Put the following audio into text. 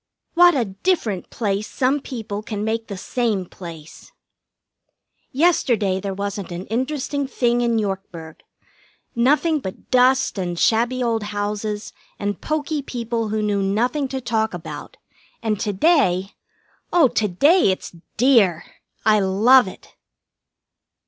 What a different place some people can make the same place! Yesterday there wasn't an interesting thing in Yorkburg. Nothing but dust and shabby old houses and poky people who knew nothing to talk about, and to day oh, to day it's dear! I love it!